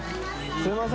すいません